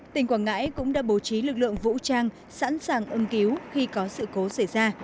tỉnh quảng ngãi cũng đã bố trí lực lượng vũ trang sẵn sàng ứng cứu khi có sự cố xảy ra